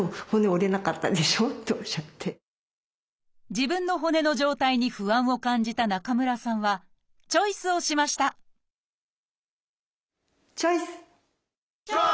自分の骨の状態に不安を感じた中村さんはチョイスをしましたチョイス！